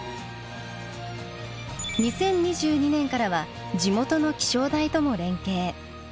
２０２２年からは地元の気象台とも連携。